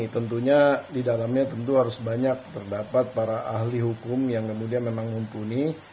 tentunya di dalamnya tentu harus banyak terdapat para ahli hukum yang kemudian memang mumpuni